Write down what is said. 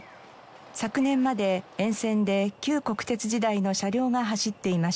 昨年まで沿線で旧国鉄時代の車両が走っていました。